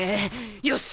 よし！